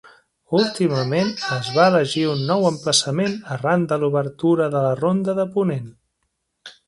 Últimament es va elegir un nou emplaçament arran de l'obertura de la ronda de Ponent.